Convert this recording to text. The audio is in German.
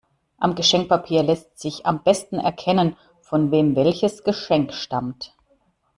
Am Geschenkpapier lässt sich am besten erkennen, von wem welches Geschenk stammt.